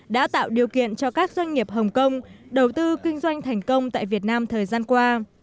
đã tạo điều kiện cho các doanh nghiệp hồng kông đầu tư kinh doanh thành công tại việt nam thời gian qua